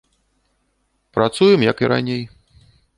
Працуем, як і раней.